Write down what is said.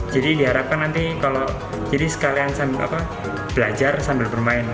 jadi diharapkan nanti kalau jadi sekalian sambil apa belajar sambil bermain